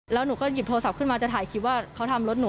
แล้วหนูก็หยิบโทรศัพท์ขึ้นมาจะถ่ายคลิปว่าเขาทำรถหนู